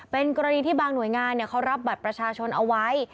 เป็นกรณีที่บางหน่วยงานเขารับบัตรประชาชนเอาไว้